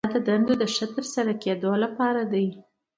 دا د دندو د ښه ترسره کیدو لپاره دي.